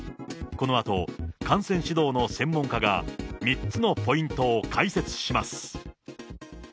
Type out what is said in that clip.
このあと、感染指導の専門家が３つのポイントを解説します。